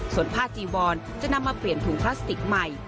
ส่วนผ้าจีวอนจะนำมาเปลี่ยนถุงพลาสติกใหม่